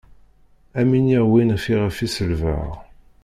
Ad m-iniɣ win fiɣef i selbeɣ.